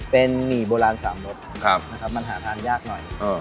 เป็นหมี่โบราณสามรสนะครับมันหาทานยากหน่อย